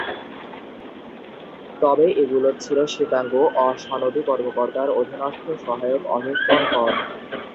তবে এগুলো ছিল শ্বেতাঙ্গ অ-সনদী কর্মকর্তার অধীনস্থ সহায়ক অধস্তন পদ।